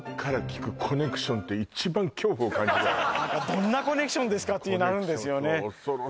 どんなコネクションですかというのあるんですよね